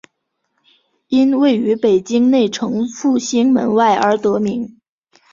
因位于北京内城复兴门外而得名。